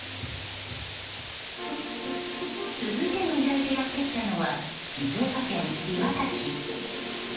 続いての依頼でやってきたのは静岡県磐田市。